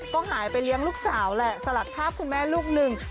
ก็หายไปเลี้ยงลูกสาวแหละสลัดภาพคุณแม่ลูกหนึ่ง